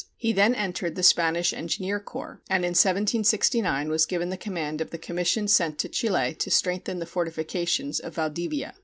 He then entered the Spanish engineer corps, and in 1769 was given the command of the commission sent to Chile to strengthen the fortifications of Valdivia.